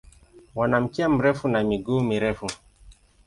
Wana mkia mrefu na miguu mirefu.